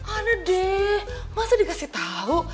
ada deh masa dikasih tau